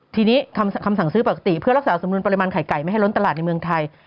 ทีนี้คำสั่งซื้อปกติเพื่อรักษาสำนวนปริมาณไข่ไก่ไม่ให้ล้นตลาดในเมืองไทย